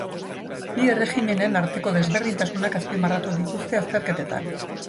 Bi erregimenen arteko desberdintasunak azpimarratu dituzte azterketetan.